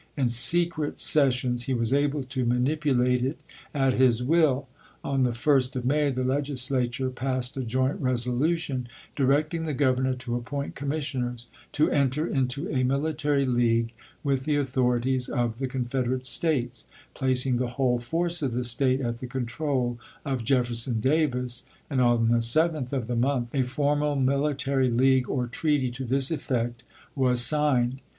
In secret sessions he was able to manipulate it at his will. On the 1st of May the Legislature passed a joint resolution isei. directing the Governor to appoint commissioners "to enter into a military league with the authori ties of the Confederate States," placing the whole force of the State at the control of Jefferson "iSbemon Davis, and on the 7th of the month a formal voll Doc military league or treaty to this effect was signed.